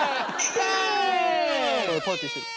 パーティーしてる。